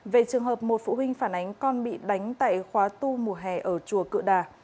về trường hợp một phụ huynh phản ánh con bị đánh tại khóa tu mùa hè ở chùa cựa đà